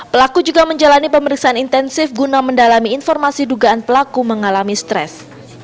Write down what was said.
pelaku juga menjalani pemeriksaan intensif guna mendalami informasi dugaan pelaku mengalami stres